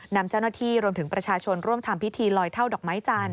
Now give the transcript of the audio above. นำเจ้าหน้าที่รวมถึงประชาชนร่วมทำพิธีลอยเท่าดอกไม้จันท